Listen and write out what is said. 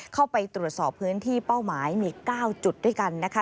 เข้าไปตรวจสอบพื้นที่เป้าหมายมี๙จุดด้วยกันนะคะ